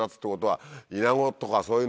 はい。